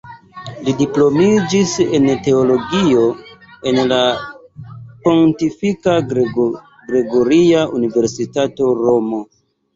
Li diplomiĝis en teologio en la Pontifika Gregoria Universitato, Romo.